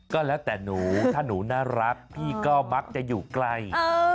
ก็แล้วแต่หนูถ้าหนูน่ารักพี่ก็มักจะอยู่ไกล